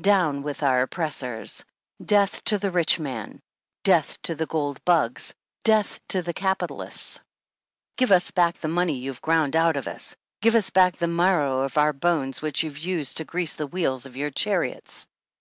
Down with our oppress ors ! Death to the rich man ! Death to the gold bugs ! Death to the capitalists ! Give us back the money you have ground out of us. Give us back the marrow of our bones which you have used to grease the wheels of your chariots."